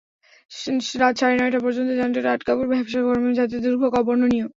রাত সাড়ে নয়টা পর্যন্ত যানজটে আটকা পড়ে ভ্যাপসা গরমে যাত্রীদের দুর্ভোগ অবর্ণনীয়।